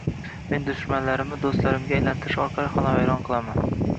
Men dushmanlarimni do’stlarimga aylantirish orqali xonavayron qilaman